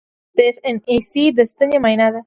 د ایف این ای سي د ستنې معاینه ده.